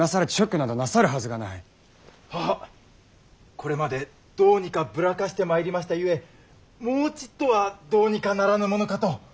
これまでどうにかぶらかしてまいりましたゆえもうちいっとはどうにかならぬものかと。